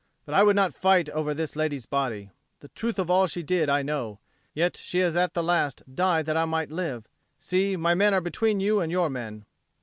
But I would not fight over this lady's body. The truth of all she did I know, yet she has at the last died that I might live. See, my men are between you and your men."